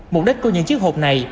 mục đích của những chiếc hộp này